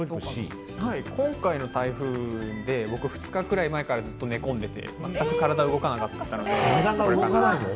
今回の台風で僕２日くらい前からずっと寝込んでてまったく体が動かなかったので。